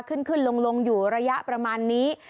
ขึ้นขึ้นลงอยู่ระยะประมาณนี้